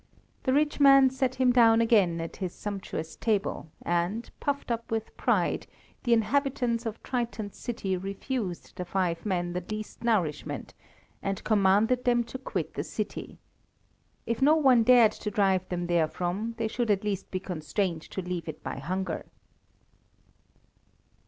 The rich man sat him down again at his sumptuous table, and, puffed up with pride, the inhabitants of Triton's city refused the five men the least nourishment, and commanded them to quit the city. If no one dared to drive them therefrom, they should at least be constrained to leave it by hunger.